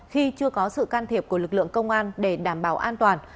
khi chưa có sự can thiệp của lực lượng công an để đảm bảo an toàn